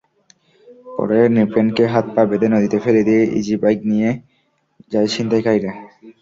পরে নৃপেনকে হাত-পা বেঁধে নদীতে ফেলে দিয়ে ইজিবাইক নিয়ে যায় ছিনতাইকারীরা।